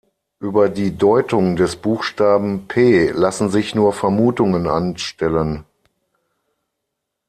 Über die Deutung des Buchstaben „P“ lassen sich nur Vermutungen anstellen.